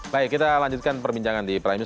baik kita lanjutkan perbincangan di primis